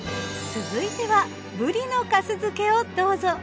続いてはブリの粕漬けをどうぞ。